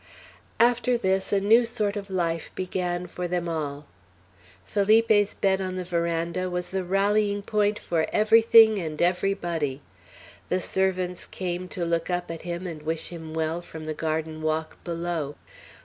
After this, a new sort of life began for them all. Felipe's bed on the veranda was the rallying point for everything and everybody.. The servants came to look up at him, and wish him well, from the garden walk below.